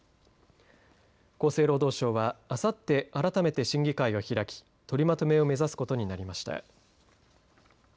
厚生労働省はあさって改めて審議会を開き取りまとめを目指すことになりました。